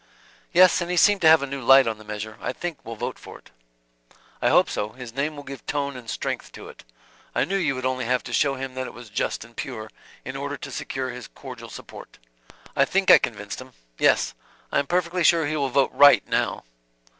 "Yes, and he seemed to have a new light on the measure: I think will vote for it." "I hope so; his name will give tone and strength to it. I knew you would only have to show him that it was just and pure, in order to secure his cordial support." "I think I convinced him. Yes, I am perfectly sure he will vote right now."